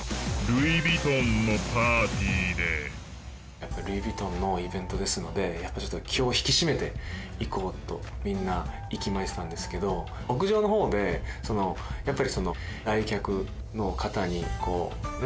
やっぱルイ・ヴィトンのイベントですのでやっぱりちょっと気を引き締めていこうとみんな息巻いてたんですけど屋上の方でやっぱりその来客の方にこうね